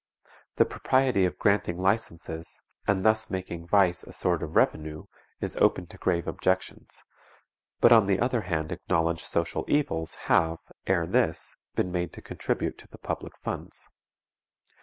The propriety of granting licenses, and thus making vice a sort of revenue, is open to grave objections, but on the other hand acknowledged social evils have, ere this, been made to contribute to the public funds.